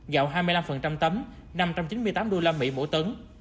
gạo hai mươi năm tấm năm trăm chín mươi tám usd mỗi tấn